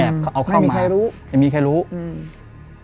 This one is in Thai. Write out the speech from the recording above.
เขาเอาเข้ามาใครรู้ไม่มีใครรู้อืม